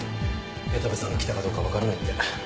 矢田部さんが来たかどうかはわからないって。